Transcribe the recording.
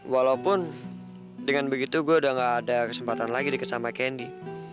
walaupun dengan begitu gue udah gak ada kesempatan lagi sama kendi